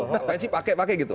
ngapain sih pakai pakai gitu